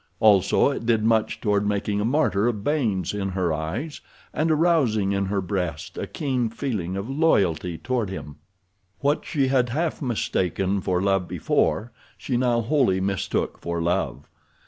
Also it did much toward making a martyr of Baynes in her eyes and arousing in her breast a keen feeling of loyalty toward him. What she had half mistaken for love before, she now wholly mistook for love.